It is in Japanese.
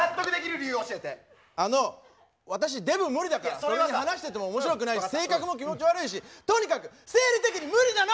それに話してても面白くないし性格も気持ち悪いしとにかく生理的に無理なの！